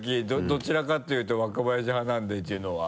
「どちらかっていうと若林派なんで」っていうのは。